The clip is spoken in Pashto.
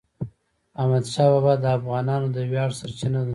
احمدشاه بابا د افغانانو د ویاړ سرچینه ده.